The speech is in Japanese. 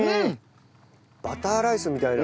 バターライスみたいな。